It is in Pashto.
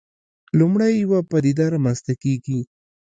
لومړی یوه پدیده رامنځته کېږي.